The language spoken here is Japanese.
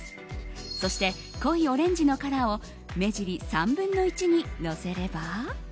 そして、濃いオレンジのカラーを目尻３分の１にのせれば。